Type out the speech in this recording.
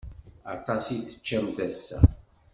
Aṭas i teččamt ass-a.